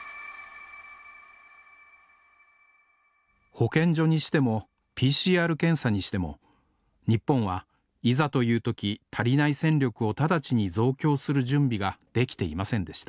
保健所にしてもＰＣＲ検査にしても日本はいざという時足りない戦力を直ちに増強する準備ができていませんでした。